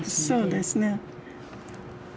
そうですね。